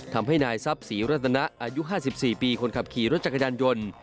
ทำให้นายทรัพย์ศรีรัตนะอายุ๕๔ปีคนขับขี่รถจักรยานยนต์